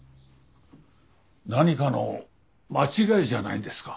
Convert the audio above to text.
何かの間違いじゃないんですか？